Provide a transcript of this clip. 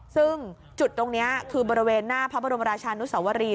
ซึ่งจุดตรงนี้คือบริเวณหน้าพระบรมราชานุสวรี